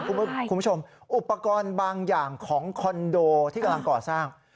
คุณผู้ชมอุปกรณ์บางอย่างของคอนโดที่กำลังก่อสร้าง